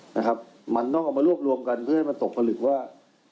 นะครับมันต้องเอามารวบรวมกันเพื่อให้มันตกผลึกว่า